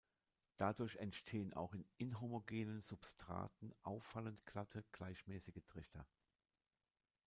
Dadurch entstehen auch in inhomogenen Substraten auffallend glatte, gleichmäßige Trichter.